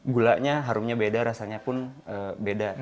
gulanya harumnya beda rasanya pun beda